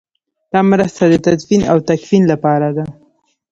دا مرسته د تدفین او تکفین لپاره ده.